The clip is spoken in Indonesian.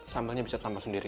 sambelnya bisa tambah sendiri